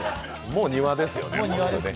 もう庭ですね。